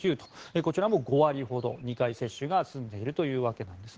こちらも５割ほど２回接種が済んでいるということです。